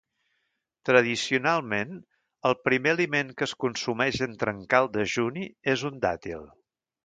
Tradicionalment, el primer aliment que es consumeix en trencar el dejuni és un dàtil.